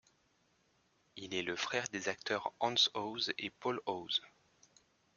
Il est le frère des acteurs Hans Hoes et Paul Hoes.